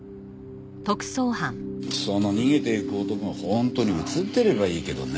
その逃げていく男が本当に映ってればいいけどね。